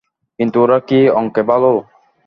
কিন্তু ওরা কি অঙ্কে ভালো?